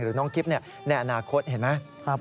หรือน้องกิฟต์ในอนาคตเห็นไหม